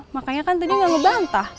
makanya kan tini nggak ngebantah